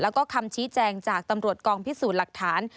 แล้วก็คำชี้แจงจากตำรวจกองพิสูจน์หลักฐาน